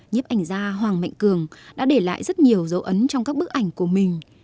nhiếp ảnh gia hoàng mạnh cường đã để lại rất nhiều dấu ấn trong các bức ảnh của mình